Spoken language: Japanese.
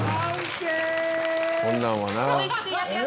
「こんなんはな」